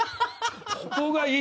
ここがいいと。